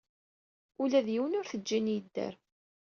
Ula d yiwen ur t-ǧǧin yedder.